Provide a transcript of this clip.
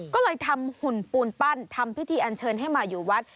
ก็เลยทำหุ่นปูนปั้นทำพิธีอันเชิญให้มาอยู่วัด